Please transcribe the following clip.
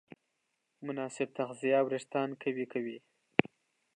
مناسب تغذیه وېښتيان قوي کوي.